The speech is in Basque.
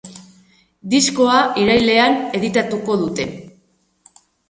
Diskoa irailean editatuko dute.